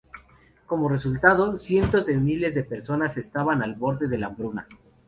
Como resultado, cientos de miles de personas estaban al borde de la hambruna.